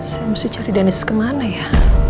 saya mesti cari danis kemana ya